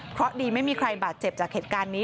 เพราะดีไม่มีใครบาดเจ็บจากเหตุการณ์นี้